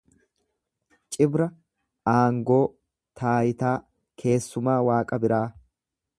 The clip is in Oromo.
Cibra aangoo, taayitaa keessumaa Waaqa biraa